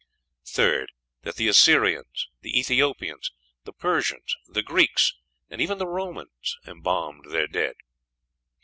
Third. That the Assyrians, the Ethiopians, the Persians, the Greeks, and even the Romans embalmed their dead.